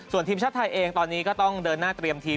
ส่วนทีมชาติไทยเองตอนนี้ก็ต้องเดินหน้าเตรียมทีม